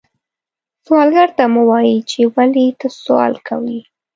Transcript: سوالګر ته مه وایې چې ولې ته سوال کوې